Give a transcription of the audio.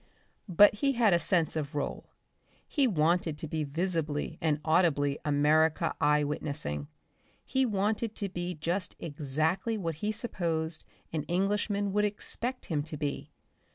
But he had a sense of rôle. He wanted to be visibly and audibly America eye witnessing. He wanted to be just exactly what he supposed an Englishman would expect him to be.